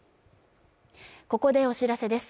ここでお知らせです